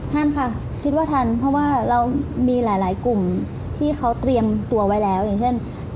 ทันค่ะคิดว่าทันเพราะว่าเรามีหลายกลุ่มที่เขาเตรียมตัวไว้แล้วอย่างเช่น